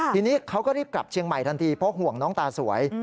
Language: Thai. ทีนี้เขาก็รีบกลับเชียงใหม่ทันทีเพราะห่วงน้องตาสวย